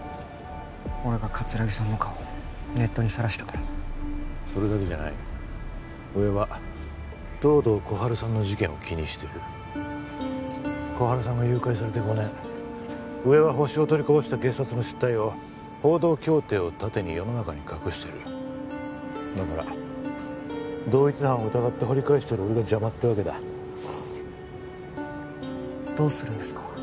俺が葛城さんの顔ネットにさらしたからそれだけじゃない上は東堂心春さんの事件を気にしている心春さんが誘拐されて５年上はホシを取りこぼした警察の失態を報道協定を盾に世の中に隠してるだから同一犯を疑って掘り返してる俺が邪魔ってわけだどうするんですか？